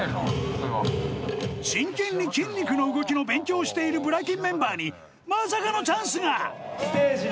真剣に筋肉の動きの勉強をしているぶら筋メンバーにまさかのチャンスが！